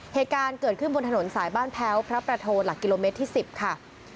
เหตุการณ์เกิดขึ้นบนถนนสายบ้านแพ้วพระประโทหลักกิโลเมตรที่๑๐ค่ะ